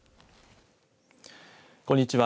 こんにちは。